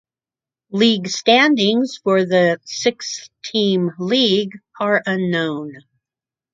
League standings for the six–team league are unknown.